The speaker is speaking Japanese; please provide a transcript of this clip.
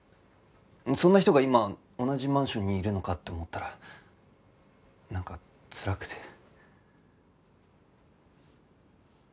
そんな人が今同じマンションにいるのかって思ったらなんかつらくて。